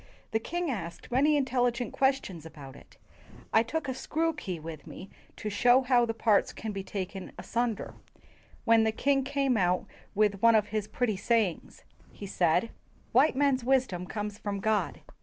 The king asked many intelligent questions about it. I took a screw key with me to show how the parts can be taken asunder, when the king came out with one of his 'pretty say 94 WHITE MEN AND BLACK MEN ings.' He said, 'White men's wisdom comes from God.